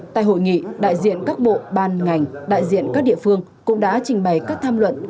tại hội nghị đại diện các bộ ban ngành đại diện các địa phương cũng đã trình bày các tham luận